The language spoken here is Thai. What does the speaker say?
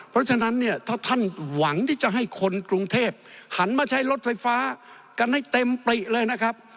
เพราะฉะนั้นเนี่ยถ้าท่านหวังที่จะให้คนกรุงเทพหันมาใช้รถไฟฟ้ากันให้เต็มปริเลยนะครับ